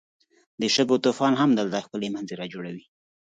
د شګو طوفان هم هلته ښکلی منظر جوړوي.